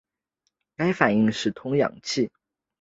该反应是通氢气于悬浮有催化剂的酰氯溶液中来进行。